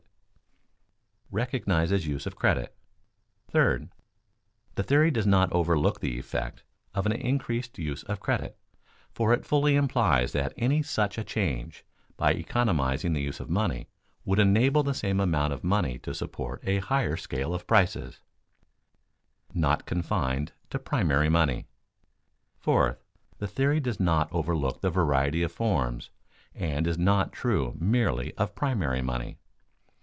[Sidenote: Recognizes use of credit] Third, the theory does not overlook the effect of an increased use of credit, for it fully implies that any such a change, by economizing the use of money, would enable the same amount of money to support a higher scale of prices. [Sidenote: Not confined to primary money] Fourth, the theory does not overlook the variety of forms, and is not true merely of primary money.